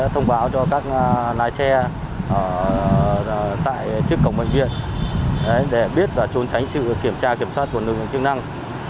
thông báo cho các lái xe tại trước cổng bệnh viện để biết và trốn tránh sự kiểm tra kiểm soát của lực lượng chức năng